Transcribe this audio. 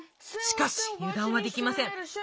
しかしゆだんはできません。